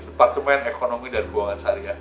departemen ekonomi dan kebuangan sariah